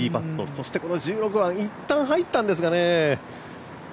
そして、１６番はいったん入ったんですがね。